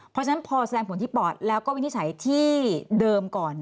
เพราะฉะนั้นพอแสดงผลที่ปอดแล้วก็วินิจฉัยที่เดิมก่อน